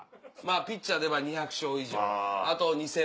ピッチャーでは２００勝以上あと２０００